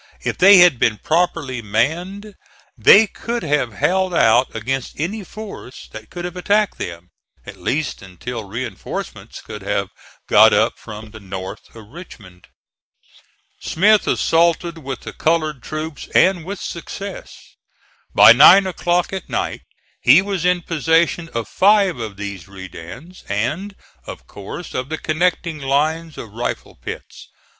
If they had been properly manned they could have held out against any force that could have attacked them, at least until reinforcements could have got up from the north of Richmond. Smith assaulted with the colored troops, and with success. By nine o'clock at night he was in possession of five of these redans and, of course, of the connecting lines of rifle pits.